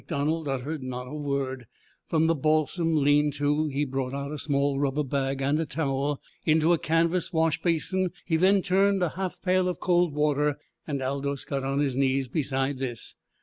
MacDonald uttered not a word. From the balsam lean to he brought out a small rubber bag and a towel. Into a canvas wash basin he then turned a half pail of cold water, and Aldous got on his knees beside this.